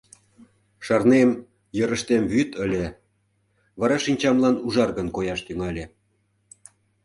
Шарнем: йырыштем вӱд ыле, вара шинчамлан ужаргын кояш тӱҥале.